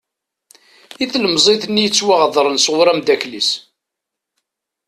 I tlemẓit-nni yettwaɣedren s ɣur amddakel-is.